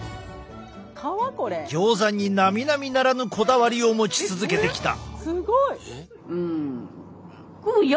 ギョーザになみなみならぬこだわりを持ち続けてきた。